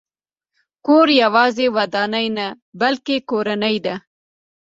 کور یوازې ودانۍ نه، بلکې کورنۍ ده.